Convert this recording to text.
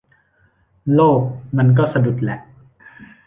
โลกมันก็สะดุดแหละ